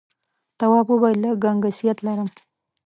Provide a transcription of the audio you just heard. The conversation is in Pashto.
تواب وويل: لږ گنگسیت لرم.